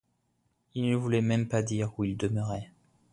Il ne voulait même pas dire où il demeurait.